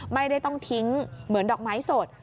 ไม่ได้ต้องทิ้งเหมือนดอกไม้สด